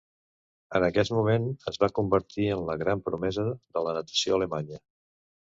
En aquest moment es va convertir en la gran promesa de la natació alemanya.